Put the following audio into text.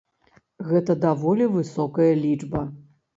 Гэта даволі высокая лічба.